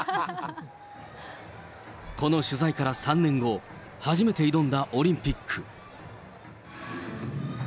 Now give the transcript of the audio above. この取材から３年後、初めて挑んだオリンピック。